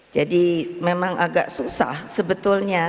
jadi memang agak susah sebetulnya